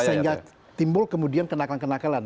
sehingga timbul kemudian kenakalan kenakalan